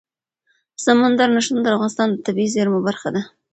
سمندر نه شتون د افغانستان د طبیعي زیرمو برخه ده.